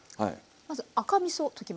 まず赤みそ溶きます。